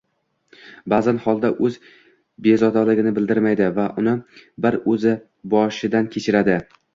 Baʼzan bola o‘z bezovtaligini bildirmaydi va uni bir o‘zi boshdan kechiradi.